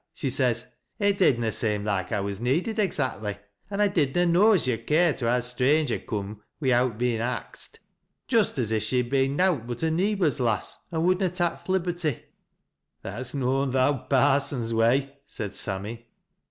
She says, ' It did nt seem loike I was needed exactly, an' I did na know as yo'd care to ha' a stranger coora wi'out bein' axt.' Just as if she had been nowt but a neebor's lass, and would na tak th' liberty." " That's noan th' owd parson's way," said Sammy.